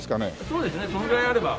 そうですねそのぐらいあれば。